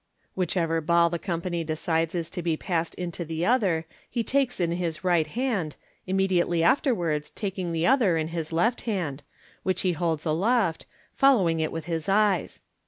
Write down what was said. Whichever ball the company decides is to be passed into the other, he takes in his right hand, immediately after wards taking the other in the left hand, which he notes aloft, follow ing it with his eyes.